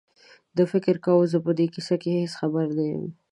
ده فکر کاوه زه په دې کیسه هېڅ خبر نه یم.